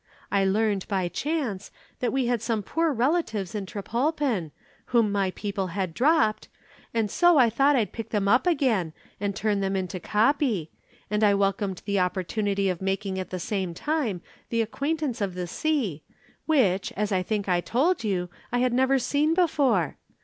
I learnt, by chance, that we had some poor relatives in Trepolpen, whom my people had dropped, and so I thought I'd pick them up again, and turn them into 'copy,' and I welcomed the opportunity of making at the same time the acquaintance of the sea, which, as I think I told you, I have never seen before.